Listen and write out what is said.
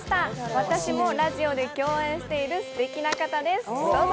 私もラジオで共演しているすてきな方です、どうぞ！